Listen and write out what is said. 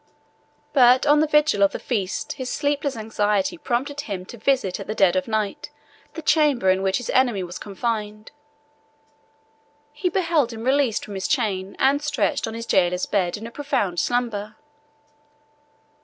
But on the vigil of the feast his sleepless anxiety prompted him to visit at the dead of night the chamber in which his enemy was confined: he beheld him released from his chain, and stretched on his jailer's bed in a profound slumber.